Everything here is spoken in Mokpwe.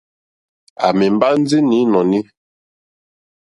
À mɛ̀ mbá ndí nǐ nɔ̀ní.